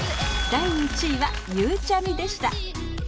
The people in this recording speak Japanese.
第１位はゆうちゃみでした